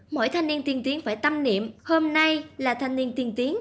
mỗi thanh niên tiên tiến phải tâm niệm hôm nay là thanh niên tiên tiến